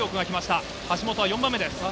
橋本は４番目です。